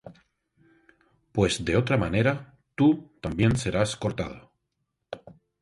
pues de otra manera tú también serás cortado.